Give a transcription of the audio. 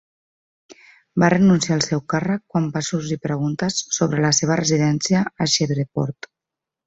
Va renunciar al seu càrrec quan van sorgir preguntes sobre la seva residència a Shreveport.